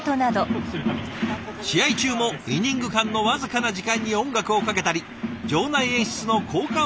試合中もイニング間の僅かな時間に音楽をかけたり場内演出の効果音を出したり。